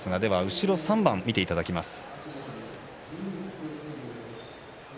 後ろ３番を見ていただきます。